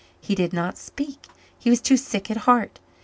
He did not speak he was too sick at heart.